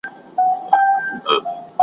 زموږ بچي په سل په زر روپۍ خرڅیږي .